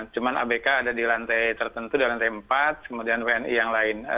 cuma abk ada di lantai tertentu di lantai empat kemudian wni yang lain